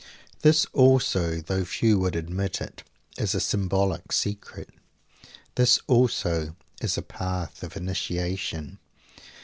This also, though few would admit it, is a symbolic secret. This also is a path of initiation.